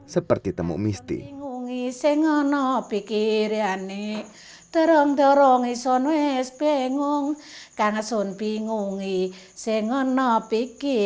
seperti temuk misti ngungi singono pikir yani terong terong iso nes pengung kangasun bingungi